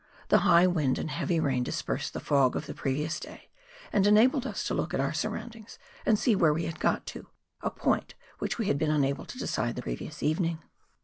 The high wind and heavy rain dispersed the fog of the previous day, and enabled us to look at our surroundings and see where we had got to, a point which we had been unable to decide the previous evening.